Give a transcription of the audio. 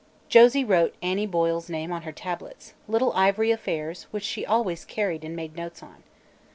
Josie wrote Annie Boyle's name on her tablets little ivory affairs which she always carried and made notes on.